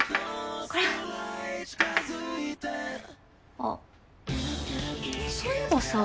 あっそういえばさ。